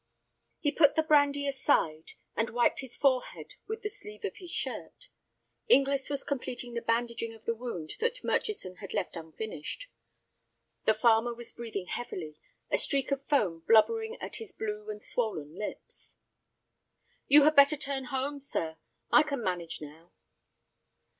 He put the brandy aside, and wiped his forehead with the sleeve of his shirt. Inglis was completing the bandaging of the wound that Murchison had left unfinished. The farmer was breathing heavily, a streak of foam blubbering at his blue and swollen lips. "You had better turn home, sir, I can manage now."